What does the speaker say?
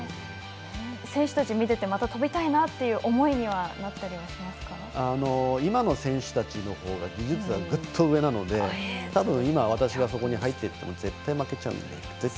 選手たち見ててまた飛びたいなっていう思いには今の選手たちのほうが技術はグッと上なのでたぶん今私がそこに入っていっても絶対、負けちゃうんで。